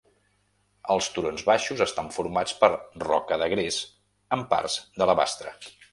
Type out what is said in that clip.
Els turons baixos estan formats per roca de gres amb parts d'alabastre.